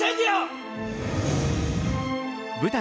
舞台